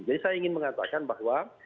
jadi saya ingin mengatakan bahwa